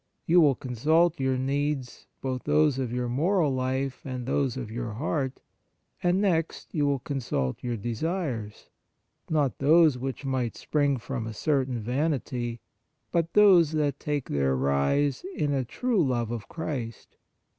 You will consult your needs, both those of your moral life and those of your heart ; and next you will consult your desires, not those which might spring from a certain vanity, but those that take their rise in a true love of Christ.